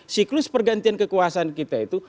siklus pergantian kekuasaan kita itu